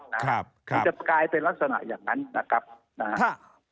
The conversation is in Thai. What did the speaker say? มันจะกลายเป็นลักษณะอย่างนั้นนะครับนะฮะ